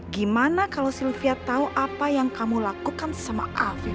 gimana kalau sylvia tahu apa yang kamu lakukan sama aviv